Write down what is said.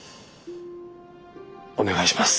お願いします。